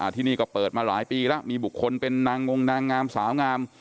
ที่นี่ก็เปิดมาหลายปีแล้วมีบุคคลเป็นนางงนางงามสาวงาม